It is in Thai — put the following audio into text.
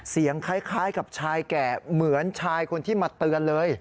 เสียงคล้ายกับชายแก่เหมือนชายคนที่มาเตือนเลย